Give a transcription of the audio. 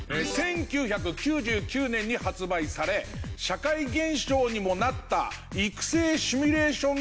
１９９９年に発売され社会現象にもなった育成シミュレーション